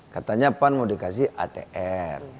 katanya pan mau dikasih atr